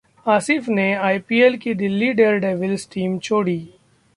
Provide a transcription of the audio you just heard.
आसिफ ने आईपीएल की Delhi Daredevils team छोड़ी